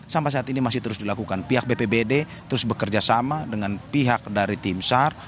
sampai saat ini masih terus dilakukan pihak bpbd terus bekerja sama dengan pihak dari tim sar